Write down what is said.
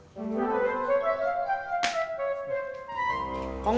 kong mau kemana